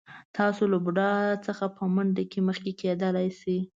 تاسو له بوډا څخه په منډه کې مخکې کېدلی شئ.